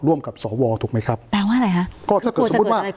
กับสวถูกไหมครับแปลว่าอะไรฮะก็ถ้าเกิดสมมุติว่า